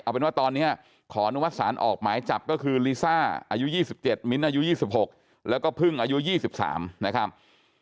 เอาเป็นว่าตอนนี้ขออนุมัติศาลออกหมายจับก็คือลิซ่าอายุ๒๗มิ้นอายุ๒๖แล้วก็พึ่งอายุ๒๓นะครับ